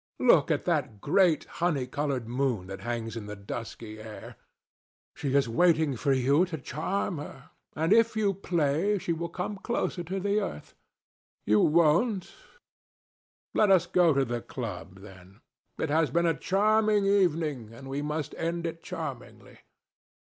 Look at that great, honey coloured moon that hangs in the dusky air. She is waiting for you to charm her, and if you play she will come closer to the earth. You won't? Let us go to the club, then. It has been a charming evening, and we must end it charmingly.